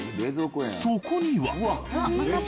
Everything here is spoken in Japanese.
そこには。